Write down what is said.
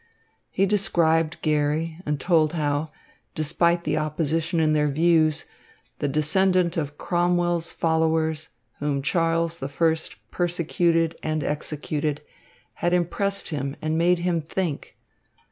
He described Garry and told how, despite the opposition in their views, the descendant of Cromwell's followers, whom Charles I persecuted and executed, had impressed him and made him think.